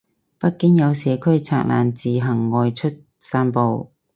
北京有社區拆欄自行外出散步